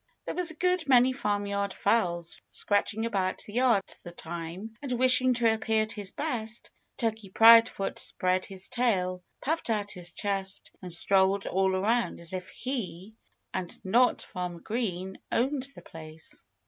There were a good many farmyard fowls scratching about the yard at the time, and wishing to appear at his best, Turkey Proudfoot spread his tail, puffed out his chest, and strolled all around as if he and and not Farmer Green owned the place.